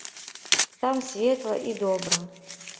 Там светла і добра.